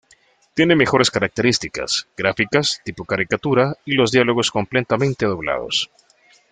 Tiene mejores características, gráficas tipo caricatura y los diálogos completamente doblados.